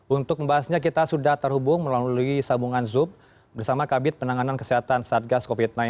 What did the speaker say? untuk membahasnya kita sudah terhubung melalui sambungan zoom bersama kabit penanganan kesehatan satgas covid sembilan belas